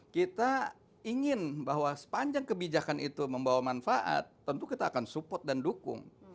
kita ingin bahwa sepanjang kebijakan itu membawa manfaat tentu kita akan support dan dukung